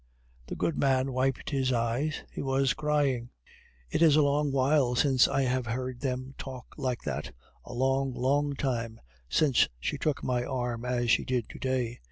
The good man wiped his eyes, he was crying. "It is a long while since I have heard them talk like that, a long, long time since she took my arm as she did to day.